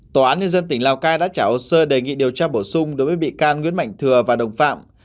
tòa án nhân dân tỉnh lào cai đã trả hồ sơ đề nghị điều tra bổ sung đối với bị can nguyễn mạnh thừa và đồng phạm